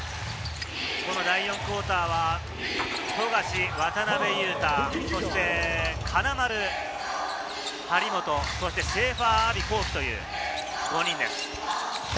第４クオーターは富樫、渡邊雄太、金丸、張本、そしてシェーファー・アヴィ幸樹という５人です。